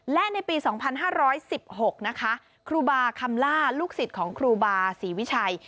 และในปี๒๕๑๖นะคะครูบาคำล่าลูกศิษย์ของครูบาศรีวิชัย